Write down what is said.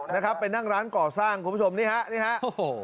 นะครับไปนั่งร้านก่อสร้างคุณผู้ชมนี่ฮะนี่ฮะโอ้โห